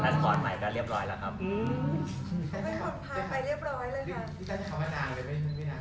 ทางไปทำบัตรประชาชนมาเรียบร้อยแหละ